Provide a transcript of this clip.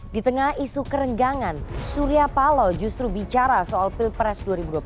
di tengah isu kerenggangan surya palo justru bicara soal pilpres dua ribu dua puluh empat